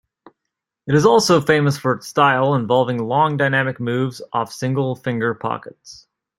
It is also famous for its style, involving long dynamic moves off single-finger pockets.